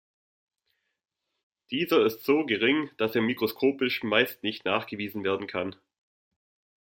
Dieser ist so gering, dass er mikroskopisch meist nicht nachgewiesen werden kann.